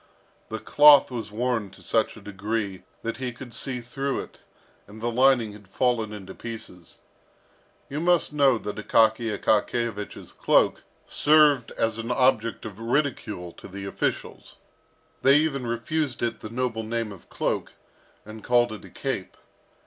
The cloth was worn to such a degree that he could see through it, and the lining had fallen into pieces. You must know that Akaky Akakiyevich's cloak served as an object of ridicule to the officials. They even refused it the noble name of cloak, and called it a cape.